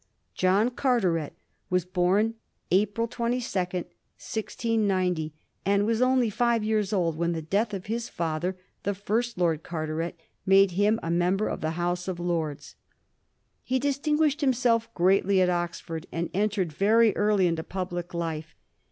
John Carteret was bom April 22, 1690, and was only five years old when the death of his father, the first Lord Carteret, made him a member of the House of Lords. He distinguished himself greatly at Oxford, and entered very early into public life.